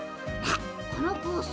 このコース。